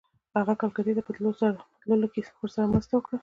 هغه کلکتې ته په تللو کې ورسره مرسته وکړه.